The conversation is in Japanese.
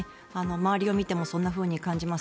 周りを見てもそんなふうに感じます。